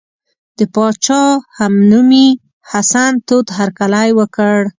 د پاچا همنومي حسن تود هرکلی وکړ.